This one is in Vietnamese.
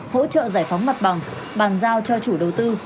hỗ trợ giải phóng mặt bằng bàn giao cho chủ đầu tư